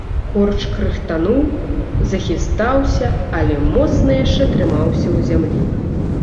Корч крахтануў, захістаўся, але моцна яшчэ трымаўся ў зямлі.